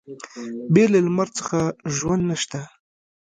بې له لمر څخه ژوند نشته.